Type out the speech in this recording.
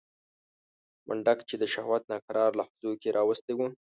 منډک چې د شهوت ناکرار لحظو کې راوستی و.